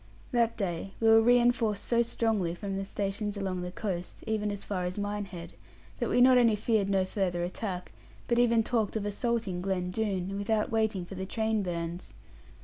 That day we were reinforced so strongly from the stations along the coast, even as far as Minehead, that we not only feared no further attack, but even talked of assaulting Glen Doone, without waiting for the train bands.